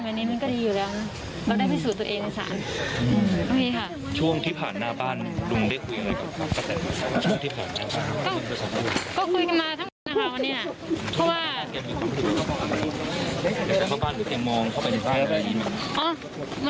มาให้กำลังใจประแทนยังไงค่ะ